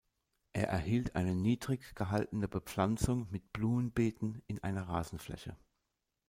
Er erhielt eine niedrig gehaltene Bepflanzung mit Blumenbeeten in einer Rasenfläche.